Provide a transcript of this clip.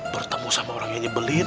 bertemu sama orang yang nyebelin